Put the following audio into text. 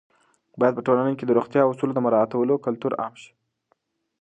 باید په ټولنه کې د روغتیايي اصولو د مراعاتولو کلتور عام شي.